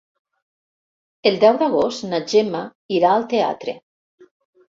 El deu d'agost na Gemma irà al teatre.